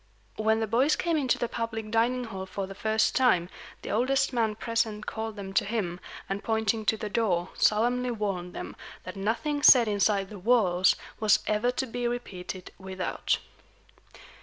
When the boys came into the public dining hall for the first time, the oldest man present called them to him, and, pointing to the door, solemnly warned them that nothing said inside the walls was ever to be repeated without.